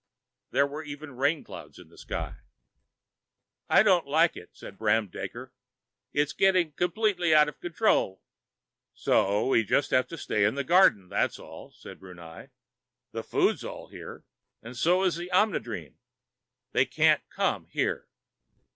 There were even rainclouds in the sky. "I don't like it," said Bram Daker. "It's getting completely out of control." "So we just have to stay in the garden, that's all," said Brunei. "The food's all here, and so is the Omnidrene. And they can't come here."